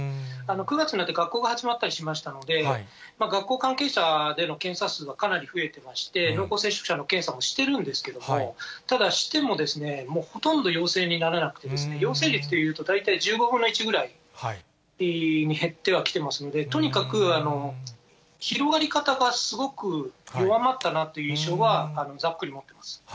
９月になって学校が始まったりしましたので、学校関係者での検査数はかなり増えていまして、濃厚接触者の検査もしてるんですけれども、ただ、してもほとんど陽性にならなくて、陽性率でいうと、大体１５分の１ぐらいに減ってはきてますので、とにかく広がり方がすごく弱まったなという印象は、ざっくり持っています。